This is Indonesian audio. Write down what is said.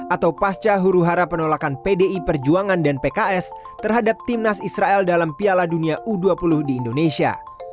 atau pasca huru hara penolakan pdi perjuangan dan pks terhadap timnas israel dalam piala dunia u dua puluh di indonesia